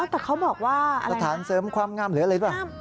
แต่เขาบอกว่าสถานเสริมความงามหรืออะไรป่ะ